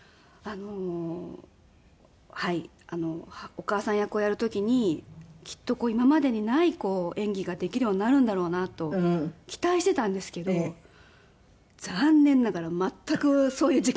お母さん役をやる時にきっと今までにない演技ができるようになるんだろうなと期待していたんですけど残念ながら全くそういう実感がありませんで。